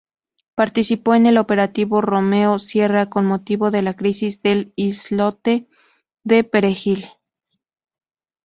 Participó en el operativo Romeo-Sierra con motivo de la crisis del Islote de Perejil.